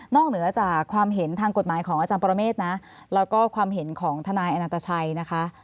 เหนือจากความเห็นทางกฎหมายของอาจารย์ปรเมฆนะแล้วก็ความเห็นของทนายอนันตชัยนะคะ